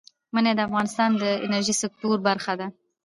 منی د افغانستان د انرژۍ سکتور برخه ده.